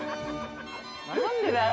何でだよ。